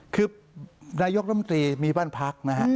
คือนายกรมตรีมีบ้านพักนะฮะ